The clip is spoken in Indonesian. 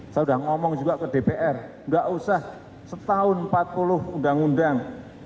saya sudah ngomong juga ke dpr nggak usah setahun empat puluh undang undang